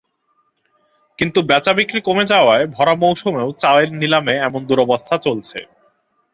কিন্তু বেচাবিক্রি কমে যাওয়ায় ভরা মৌসুমেও চায়ের নিলামে এমন দুরবস্থা চলছে।